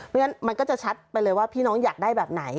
งั้นมันก็จะชัดไปเลยว่าพี่น้องอยากได้แบบไหน